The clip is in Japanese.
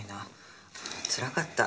つらかった。